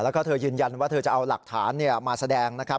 แล้วก็เธอยืนยันว่าเธอจะเอาหลักฐานมาแสดงนะครับ